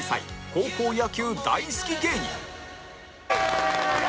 高校野球大好き芸人